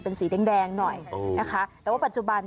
เป็นสีแดงหน่อยนะคะ